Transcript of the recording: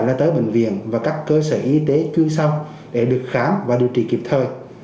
vẫn phải là tới bệnh viện và các cơ sở y tế chưa xong để được khám và điều trị kịp thời